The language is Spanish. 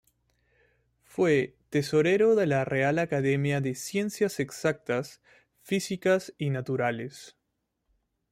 Fue tesorero de la Real Academia de Ciencias Exactas, Físicas y Naturales.